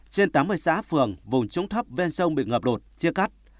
trên tám mươi xã phường vùng trúng thấp ven sông bị ngập lột chia cắt